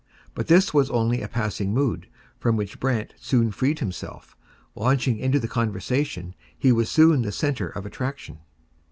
But this was only a passing mood, from which Brant soon freed himself. Launching into the conversation, he was soon the centre of attraction.